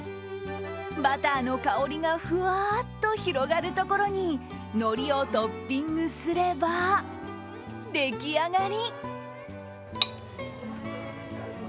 バターの香りがふわっと広がるところにのりをトッピングすれば出来上がり。